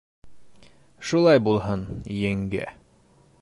— Шулай булһын, еңгә.